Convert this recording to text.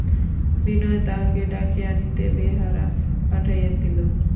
বিনয় তাঁহাকে ডাকিয়া আনিতে বেহারা পাঠাইয়া দিল।